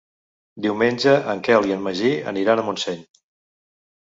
Diumenge en Quel i en Magí aniran a Montseny.